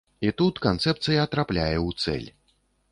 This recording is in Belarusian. І тут канцэпцыя трапляе ў цэль.